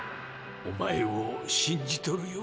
お前をしんじとるよ。